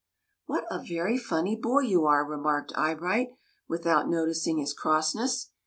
" What a very funny boy you are !" remarked Eyebright, without noticing his crossness.